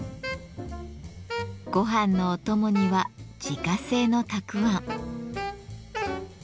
ごはんのお供には自家製のたくあん。